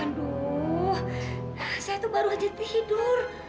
aduh saya tuh baru aja tidur